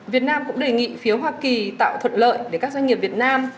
việt nam cũng đề nghị phía hoa kỳ tạo thuận lợi để các doanh nghiệp việt nam